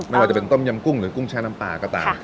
ไม่ว่าจะเป็นต้มยำกุ้งหรือกุ้งแช่น้ำปลาก็ตาม